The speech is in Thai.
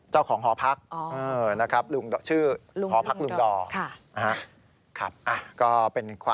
เจ้าของหอพัก